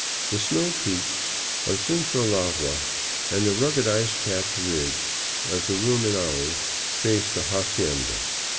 The snow peak of Sincholagua and the rugged, ice capped ridge of Rumifiaui faced the hacienda.